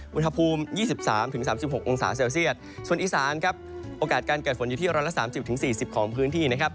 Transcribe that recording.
อุณหภูมิ๒๓๓๖องศาเซลเซียตส่วนอีสานครับโอกาสการเกิดฝนอยู่ที่๑๓๐๔๐ของพื้นที่นะครับ